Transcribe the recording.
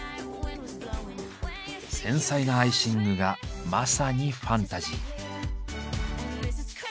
繊細なアイシングがまさにファンタジー。